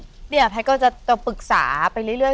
แพทย์ก็จะต้องปรึกษาไปเรื่อย